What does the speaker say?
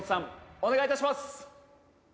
お願いいたします！